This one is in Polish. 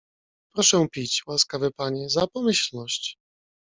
"Proszę pić, łaskawy panie, za pomyślność."